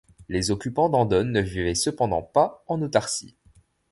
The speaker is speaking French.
Les occupants d'Andone ne vivaient cependant pas en autarcie.